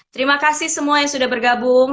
terima kasih semua yang sudah bergabung